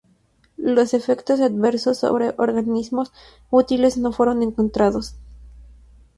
Los efectos adversos sobre organismos útiles no fueron encontrados.